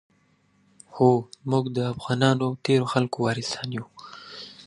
آیا موږ د تیرو خلګو وارثان یو؟